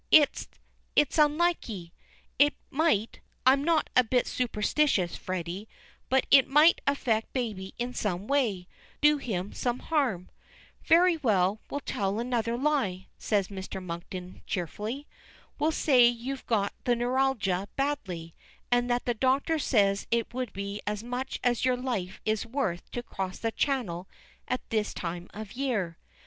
"It it's unlucky! It might I'm not a bit superstitious, Freddy, but it might affect baby in some way do him some harm." "Very well, we'll tell another lie," says Mr. Monkton cheerfully. "We'll say you've got the neuralgia badly, and that the doctor says it would be as much as your life Is worth to cross the Channel at this time of year."